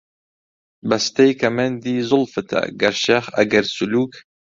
بەستەی کەمەندی زوڵفتە، گەر شێخ، ئەگەر سولووک